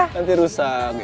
nanti rusak ya